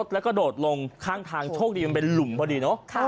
แล้วก็โดดลงข้างทางโชคดีมันเป็นหลุมพอดีเนอะ